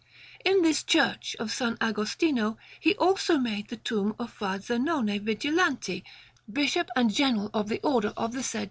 In this Church of S. Agostino he also made the tomb of Fra Zenone Vigilanti, Bishop, and General of the Order of the said S.